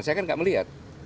saya kan gak melihat